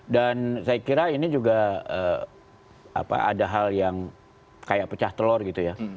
dan saya kira ini juga ada hal yang kayak pecah telur gitu ya